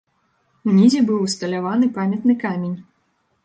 Унізе быў усталяваны памятны камень.